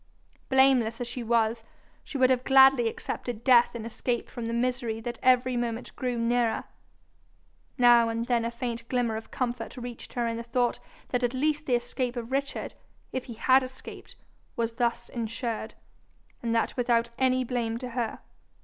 Blameless as she was, she would have gladly accepted death in escape from the misery that every moment grew nearer. Now and then a faint glimmer of comfort reached her in the thought that at least the escape of Richard, if he had escaped, was thus ensured, and that without any blame to her.